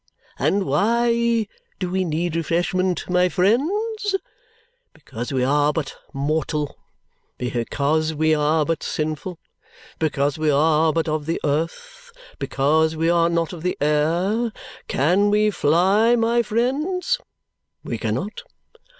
And why do we need refreshment, my friends? Because we are but mortal, because we are but sinful, because we are but of the earth, because we are not of the air. Can we fly, my friends? We cannot.